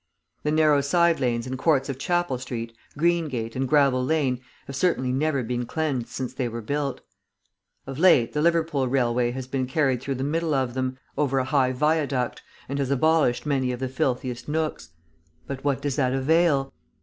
The narrow side lanes and courts of Chapel Street, Greengate, and Gravel Lane have certainly never been cleansed since they were built. Of late, the Liverpool railway has been carried through the middle of them, over a high viaduct, and has abolished many of the filthiest nooks; but what does that avail?